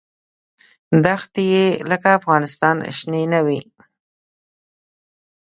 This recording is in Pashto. دښتې یې لکه افغانستان شنې نه وې.